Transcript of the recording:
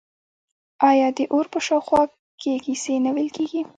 آیا د اور په شاوخوا کې کیسې نه ویل کیږي؟